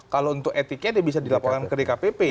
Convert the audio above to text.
kalau untuk etiknya dia bisa dilaporkan ke dkpp